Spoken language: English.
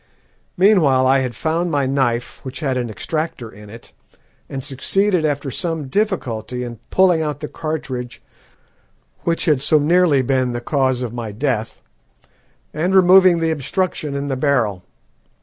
"Meanwhile I had found my knife, which had an extractor in it, and succeeded after some difficulty in pulling out the cartridge which had so nearly been the cause of my death, and removing the obstruction in the barrel.